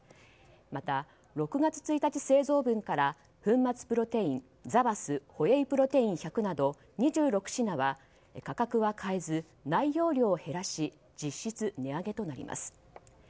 また、６月１日製造分から粉末プロテインザバスホエイプロテイン１００など２６品は価格は変えず内容量を減らし実質値上げとなります。